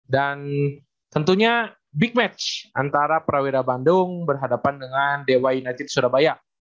dan tentunya big match antara prawira bandung berhadapan dengan dewai najib surabaya